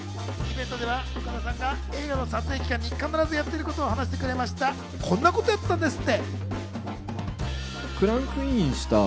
イベントでは岡田さんが映画の撮影期間に必ずやっていることを話してくれたんですが、こんなことやってるんですって。